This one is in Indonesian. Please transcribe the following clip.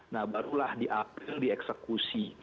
nah barulah diapil dieksekusi